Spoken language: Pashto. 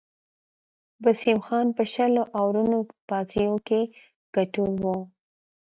وسیم خان په شلو آورونو بازيو کښي ګټور وو.